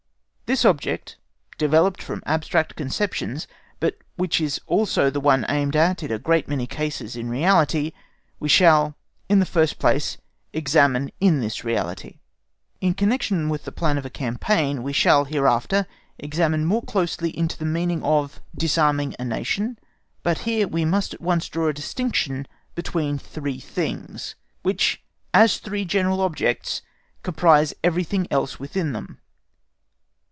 This object, developed from abstract conceptions, but which is also the one aimed at in a great many cases in reality, we shall, in the first place, examine in this reality. In connection with the plan of a campaign we shall hereafter examine more closely into the meaning of disarming a nation, but here we must at once draw a distinction between three things, which, as three general objects, comprise everything else within them.